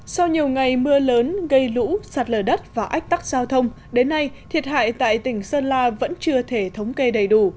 sau nhiều ngày mưa lớn gây lũ sạt lở đất và ách tắc giao thông đến nay thiệt hại tại tỉnh sơn la vẫn chưa thể thống kê đầy đủ